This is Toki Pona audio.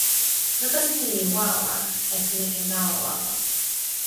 noka sina li wawa, la sina ken tawa wawa.